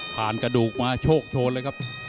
กระดูกมาโชคโชนเลยครับ